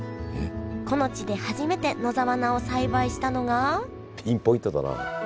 この地で初めて野沢菜を栽培したのがピンポイントだな。